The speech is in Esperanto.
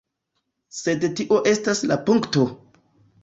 Sed tio estas la punkto.